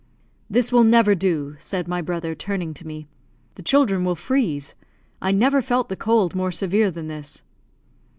"This will never do," said my brother, turning to me; "the children will freeze. I never felt the cold more severe than this."